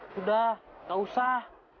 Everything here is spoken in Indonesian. sudah nggak usah